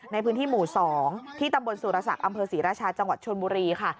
ในพื้นที่หมู่๒ที่ตำบลสุรศักดิ์อำเภอศรีราชาจังหวัดชนบุรีค่ะ